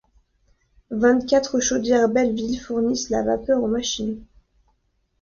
Vingt-quatre chaudières Belleville fournissent la vapeur aux machines.